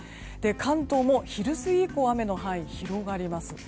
関東も、昼過ぎ以降雨の範囲が広がります。